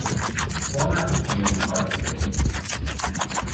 The format has changed markedly over the years.